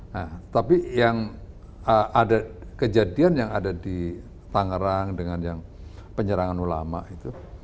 nah tapi yang ada kejadian yang ada di tangerang dengan yang penyerangan ulama itu